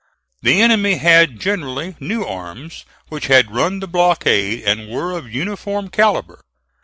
The enemy had generally new arms which had run the blockade and were of uniform caliber.